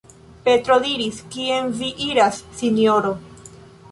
Petro diris: "Kien vi iras, Sinjoro?